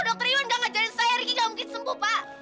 kalau dokter iwan tidak mengajarin saya riki tidak mungkin sembuh pak